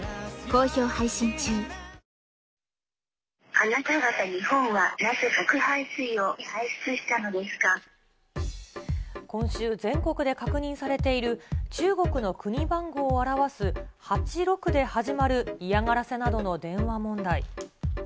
あなた方日本は、今週、全国で確認されている中国の国番号を表す８６で始まる嫌がらせなどの電話問題。